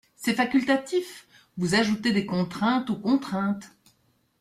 C’est facultatif ! Vous ajoutez des contraintes aux contraintes.